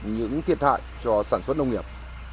những thiệt hại cho sản xuất nông nghiệp